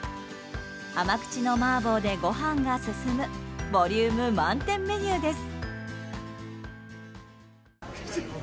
甘口の麻婆でご飯が進むボリューム満点メニューです。